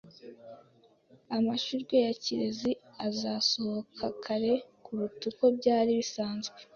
Amashurwe ya kireri azasohoka kare kuruta uko byari bisanzwe.